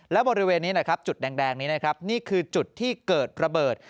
แล้วบริเวณนี้จุดแดงนี้คือจุดที่เกิดระเบิด